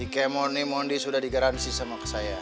ike moni mondi sudah digaransi sama saya